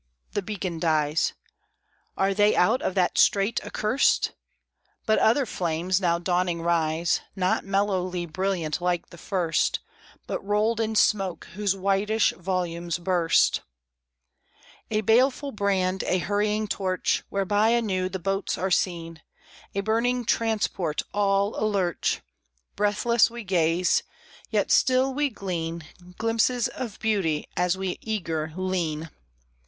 The beacon dies. "Are they out of that strait accurst?" But other flames now dawning rise, Not mellowly brilliant like the first, But rolled in smoke, whose whitish volumes burst. A baleful brand, a hurrying torch Whereby anew the boats are seen A burning transport all alurch! Breathless we gaze; yet still we glean Glimpses of beauty as we eager lean.